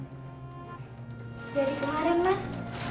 jadi kemarin mas